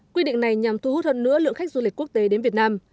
quy định này nhằm thu hút hơn nữa lượng khách du lịch quốc tế đến việt nam